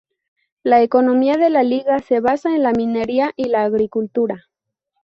La economía de la liga se basa en la minería y la agricultura.